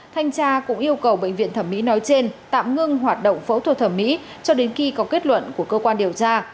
thanh tra cũng yêu cầu bệnh viện thẩm mỹ nói trên tạm ngưng hoạt động phẫu thuật thẩm mỹ cho đến khi có kết luận của cơ quan điều tra